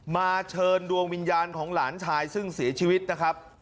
เชิญดวงวิญญาณของหลานชายซึ่งเสียชีวิตนะครับ